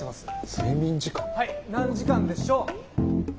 睡眠時間？はい何時間でしょう？